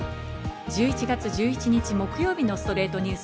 １１月１１日、木曜日の『ストレイトニュース』。